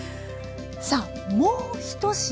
さあもう１品。